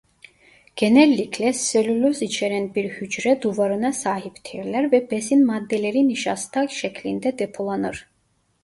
Genellikle selüloz içeren bir hücre duvarına sahiptirler ve besin maddeleri nişasta şeklinde depolanır.